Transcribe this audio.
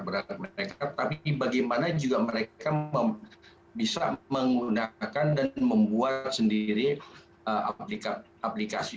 berat mereka tapi bagaimana juga mereka bisa menggunakan dan membuat sendiri aplikasi